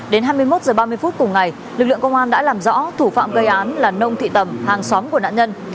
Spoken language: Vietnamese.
đến hai mươi một h ba mươi phút cùng ngày lực lượng công an đã làm rõ thủ phạm gây án là nông thị tẩm hàng xóm của nạn nhân